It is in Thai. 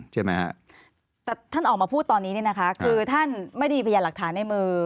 แต่ท่านออกมาพูดตอนนี้คือท่านไม่ได้มีพยานหลักฐานในมือ